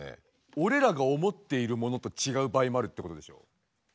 おれらが思っているものとちがう場合もあるってことでしょう？